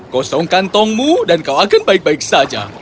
kosongkan tongmu dan kau akan baik baik saja